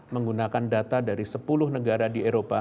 menggunakan data dari sepuluh negara di eropa